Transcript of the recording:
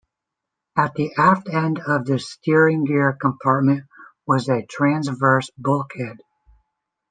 At the aft end of the steering gear compartment was a transverse bulkhead.